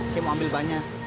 saya mau ambil bannya